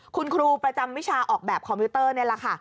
คุณครูประจำวิชาออกแบบคอมพิวเตอร์นี่แหละค่ะ